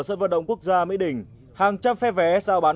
a b giống nhau à